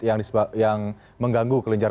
yang mengganggu kelinjar